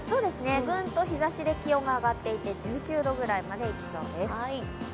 グンと日ざしで気温が上がっていて１９度までいきそうです。